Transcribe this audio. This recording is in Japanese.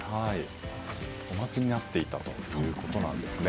お待ちになっていたということなんですね。